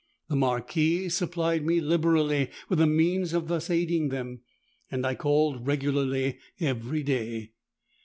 The Marquis supplied me liberally with the means of thus aiding them; and I called regularly every day.